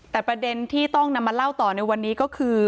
แต่ประเด็นที่ต้องนำมาเล่าต่อในวันนี้ก็คือ